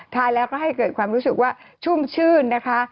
แล้วก็ให้เกิดความรู้สึกว่าชุ่มชื่นนะคะ